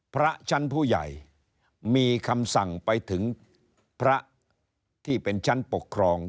พระชั้นผู้ใหญ่มีคำสั่งไปถึงพระที่เป็นชั้นปกครอง